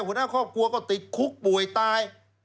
หัวหน้าครอบครัวก็ติดคุกป่วยตาย